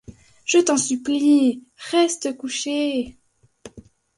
Je t’en supplie, reste couchée!